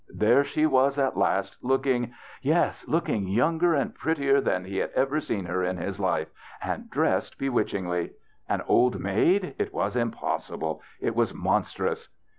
There she was at last, looking — yes, looking younger and prettier than he had ever seen her in his life, and dressed be witchingly. An old maid ! It was impossi ble. It was monstrous.